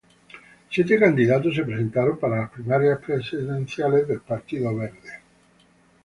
Siete candidatos se presentaron para las primarias presidenciales del Partido Verde.